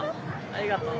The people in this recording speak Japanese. ありがとう。